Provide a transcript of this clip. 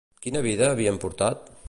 Quina vida havien portat?